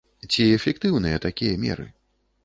Ці эфектыўныя такія меры?